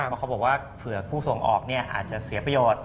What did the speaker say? เพราะเขาบอกว่าเผื่อผู้ส่งออกอาจจะเสียประโยชน์